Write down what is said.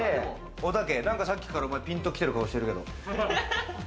おたけ、なんかさっきからピンと来てる顔してるけれど？